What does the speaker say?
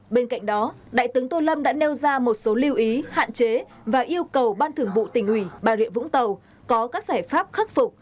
bên cạnh đó đại tướng tô lâm đã nêu ra một số lưu ý hạn chế và yêu cầu ban thường vụ tỉnh ủy bà rịa vũng tàu có các giải pháp khắc phục